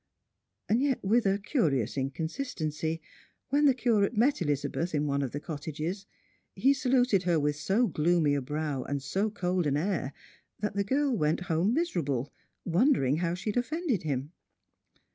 Yet, with a curious inconsistency, wben the Curate met Elizabeth in one of the cottages, he saluted her with so gloomy a brow and so cold an air that the girl went home miserable, wondering how she had oftended him.